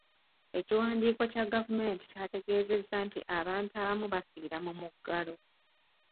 Ekiwandiiko kya gavumenti kyategeezezza nti abantu abamu bafiira mu muggalo.